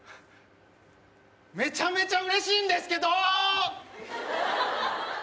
めちゃめちゃうれしいんですけどーっ！